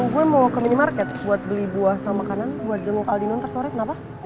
gue mau ke minimarket buat beli buah sama makanan buat jenguk aldino ntar sore kenapa